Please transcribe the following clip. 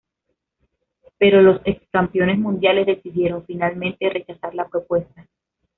Pero los ex Campeones Mundiales decidieron, finalmente, rechazar la propuesta.